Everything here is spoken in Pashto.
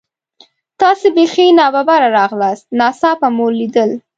تاسې بیخي نا ببره راغلاست، ناڅاپه مو لیدل.